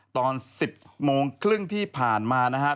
ตอน๑๐๓๐ที่ผ่านมานะครับ